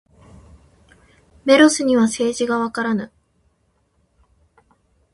メロスには政治がわからぬ。